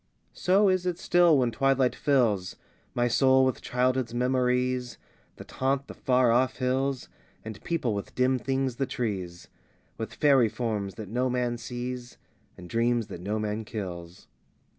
X So is it still when twilight fills My soul with childhood's memories That haunt the far off hills, And people with dim things the trees, With faery forms that no man sees, And dreams that no man kills.